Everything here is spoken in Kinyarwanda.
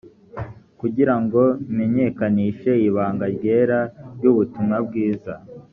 kugira ngo menyekanishe ibanga ryera ry ubutumwa bwiza